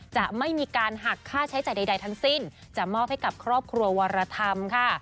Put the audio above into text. จะไม่มีการหักค่าใช้จ่ายใดทั้งสิ้นจะมอบให้กับครอบครัววรธรรมค่ะ